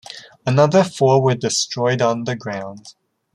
Another four were destroyed on the ground.